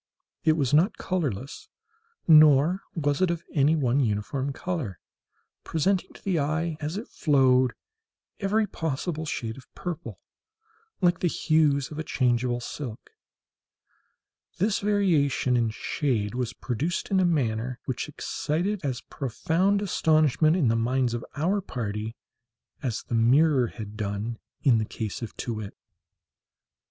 It was not colourless, nor was it of any one uniform colour—presenting to the eye, as it flowed, every possible shade of purple; like the hues of a changeable silk. This variation in shade was produced in a manner which excited as profound astonishment in the minds of our party as the mirror had done in the case of Too wit.